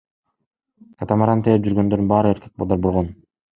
Катамаран тээп жүргөндүн баары эркек балдар болгон.